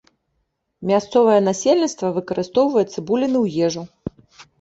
Мясцовае насельніцтва выкарыстоўвае цыбуліны ў ежу.